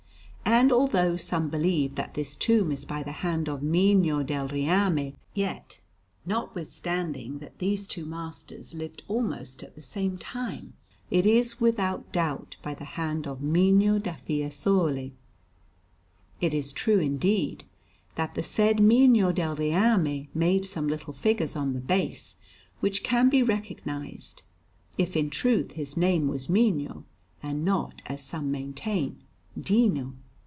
And although some believe that this tomb is by the hand of Mino del Reame, yet, notwithstanding that these two masters lived almost at the same time, it is without doubt by the hand of Mino da Fiesole. It is true, indeed, that the said Mino del Reame made some little figures on the base, which can be recognized; if in truth his name was Mino, and not, as some maintain, Dino.